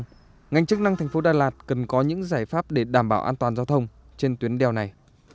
tuy nhiên ngành chức năng thành phố đà lạt cần có những giải pháp để đảm bảo an toàn giao thông trên tuyến đèo này